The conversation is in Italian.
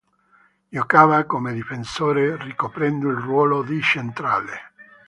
Giocava come difensore, ricoprendo il ruolo di centrale.